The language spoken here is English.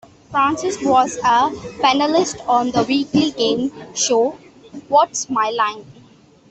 Francis was a panelist on the weekly game show What's My Line?